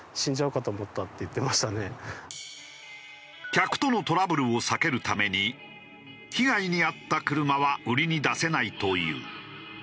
客とのトラブルを避けるために被害に遭った車は売りに出せないという。